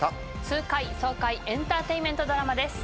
痛快爽快エンターテインメントドラマです。